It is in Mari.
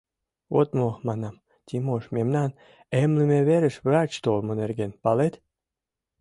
— Вот мо, — манам, — Тимош, мемнан эмлыме верыш врач толмо нерген палет?